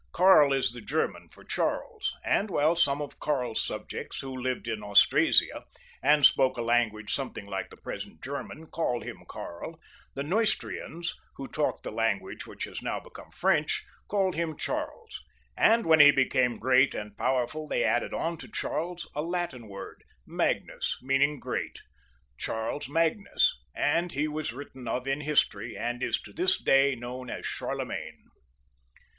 Karl is the German for Charles, and while some of Karl's subjects, who lived in Austrasia and spoke a language something like the present German, called him Karl, the Neustrians, who talked the language which has now become French, called him Charles, and when he became great and power ful they added on to Charles a Latin word, magnus, mean ing great, Charles magnus, and he was written of in history and is to this day known as Charlemagne.